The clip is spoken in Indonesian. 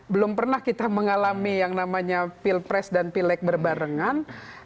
belum pernah kita mengalami yang namanya pilpres dan pilek berbarengan